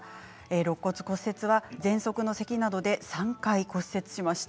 ろっ骨骨折はぜんそくのせきなどで３回骨折しました。